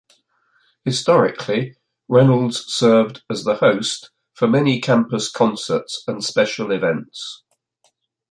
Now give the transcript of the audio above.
Historically, Reynolds served as the host for many campus concerts and special events.